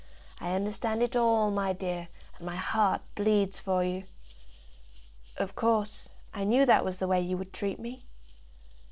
I understand it all, my dear, and my heart bleeds for you." "Of course; I knew that was the way you would treat me."